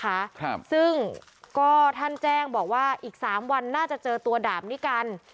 ครับซึ่งก็ท่านแจ้งบอกว่าอีกสามวันน่าจะเจอตัวดาบนิกัน